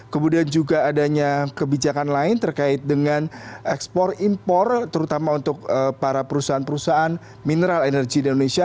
kemudian juga adanya kebijakan lain terkait dengan ekspor impor terutama untuk para perusahaan perusahaan mineral energi di indonesia